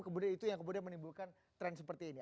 kemudian itu yang kemudian menimbulkan tren seperti ini